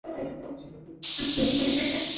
ali malik nafasi ya kuwa madarakani kama waziri mkuu